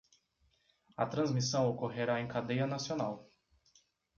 A transmissão ocorrerá em cadeia nacional